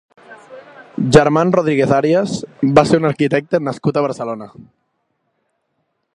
Germán Rodríguez Arias va ser un arquitecte nascut a Barcelona.